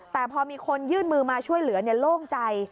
แต่พอมีคนยื่นมือมาช่วยเหลือโล่งใจ